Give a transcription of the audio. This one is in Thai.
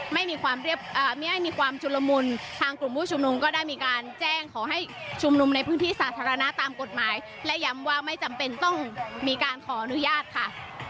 ไม่มีความไม่ให้มีความชุลมุนทางกลุ่มผู้ชุมนุมก็ได้มีการแจ้งขอให้ชุมนุมในพื้นที่สาธารณะตามกฎหมายและย้ำว่าไม่จำเป็นต้องมีการขออนุญาตค่ะ